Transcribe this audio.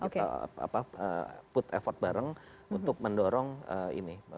kita put effort bareng untuk mendorong ini